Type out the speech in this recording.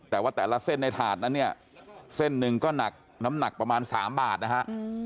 แต่ว่าแต่ละเส้นในถาดนั้นเนี่ยเส้นหนึ่งก็หนักน้ำหนักประมาณ๓บาทนะฮะ